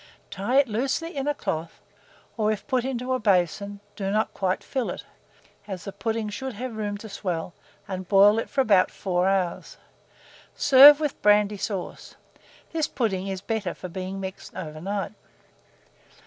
Tie it loosely in a cloth, or, if put in a basin, do not quite fill it, as the pudding should have room to swell, and boil it for 4 hours. Serve with brandy sauce. This pudding is better for being mixed over night.